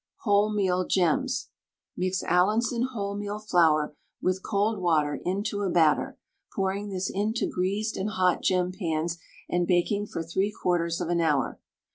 WHOLEMEAL GEMS. Mix Allinson wholemeal flour with cold water into a batter, pouring this into greased and hot gem pans, and baking for 3/4 of an hour.